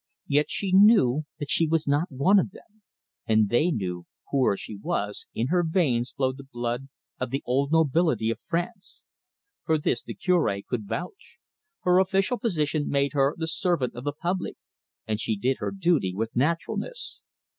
Yet she knew that she was not of them, and they knew that, poor as she was, in her veins flowed the blood of the old nobility of France. For this the Cure could vouch. Her official position made her the servant of the public, and she did her duty with naturalness.